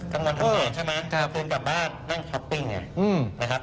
กันวันเท่านี้ใช่มั้ยถึงกลับบ้านนั่งช้อปปิ้งนะครับ